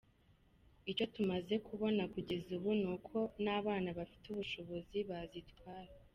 Icyo tumaze kubona kugeza ubu ni uko n’abana bafite ubushobozi bazitwara.